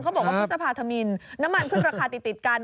บอกว่าพฤษภาธมินน้ำมันขึ้นราคาติดกัน